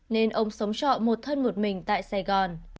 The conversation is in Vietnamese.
nên ông sống trọ một thân một mình tại sài gòn